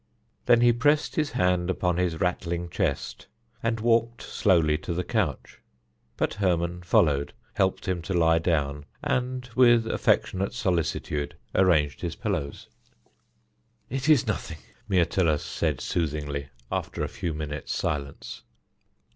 Then he pressed his hand upon his rattling chest and walked slowly to the couch; but Hermon followed, helped him to lie down, and with affectionate solicitude arranged his pillows. "It is nothing," Myrtilus said soothingly, after a few minutes' silence.